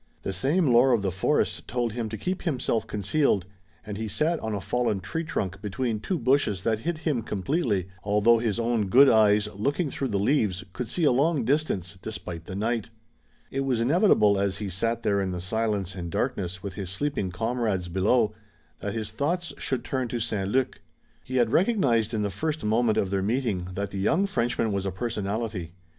The same lore of the forest told him to keep himself concealed, and he sat on a fallen tree trunk between two bushes that hid him completely, although his own good eyes, looking through the leaves, could see a long distance, despite the night. It was inevitable as he sat there in the silence and darkness with his sleeping comrades below that his thoughts should turn to St. Luc. He had recognized in the first moment of their meeting that the young Frenchman was a personality.